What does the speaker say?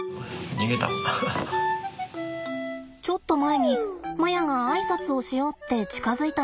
ちょっと前にマヤが挨拶をしようって近づいたんですって。